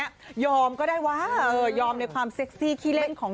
ยอมก็ได้วะเออยอมในความเซ็กซี่ขี้เล่นของ